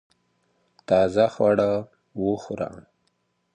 تازه خواړه وخوره